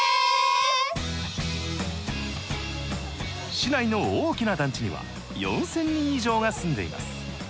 市内の大きな団地には４，０００人以上が住んでいます。